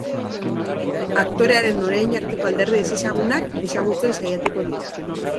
Aktorearen orain arteko alderdi ezezagunak ezagutzen saiatuko dira.